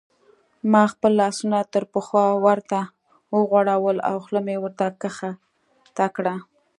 ما خپل لاسونه تر پخوا ورته وغوړول او خوله مې ورته کښته کړل.